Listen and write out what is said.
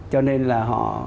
cho nên là họ